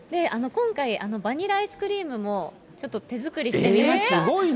今回、バニラアイスクリームもちょっと手作りしてみました。